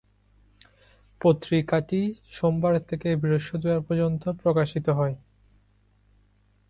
পত্রিকাটি সোমবার থেকে বৃহস্পতিবার পর্যন্ত প্রকাশিত হয়।